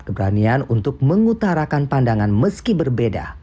keberanian untuk mengutarakan pandangan meski berbeda